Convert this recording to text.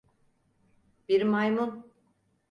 Bir maymun.